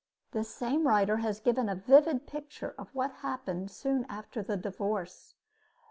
The same writer has given a vivid picture of what happened soon after the divorce.